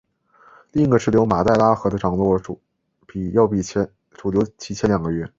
另一个支流马代腊河的涨落要比主流提前两个月。